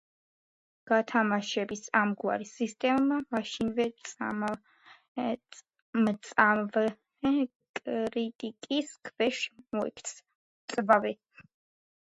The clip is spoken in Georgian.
გათამაშების ამგვარი სისტემა მაშინვე მწვავე კრიტიკის ქვეშ მოექცა.